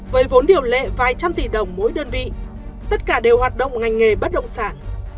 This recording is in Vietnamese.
với vốn điều lệ vài trăm tỷ đồng mỗi đơn vị tất cả đều hoạt động ngành nghề bất động sản